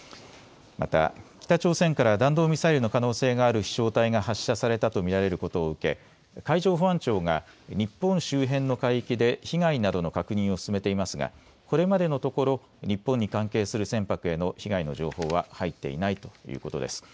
また北朝鮮から弾道ミサイルの可能性がある飛しょう体が発射されたと見られることを受け海上保安庁が日本周辺の海域で被害などの確認を進めていますがこれまでのところ日本に関係する船舶への被害の情報は入っていないということです。